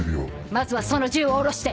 まずはその銃を下ろして！